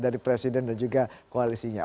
dari presiden dan juga koalisinya